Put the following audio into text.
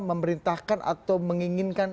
memerintahkan atau menginginkan